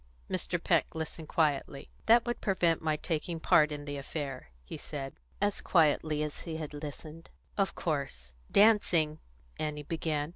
Mr. Peck listened quietly. "That would prevent my taking part in the affair," he said, as quietly as he had listened. "Of course dancing," Annie began.